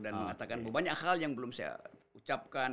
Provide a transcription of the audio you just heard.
dan mengatakan banyak hal yang belum saya ucapkan